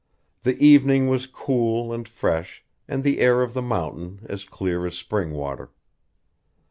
The evening was cool and fresh and the air of the mountain as clear as spring water.